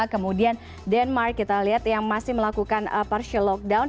kemudian denmark kita lihat yang masih melakukan partial lockdown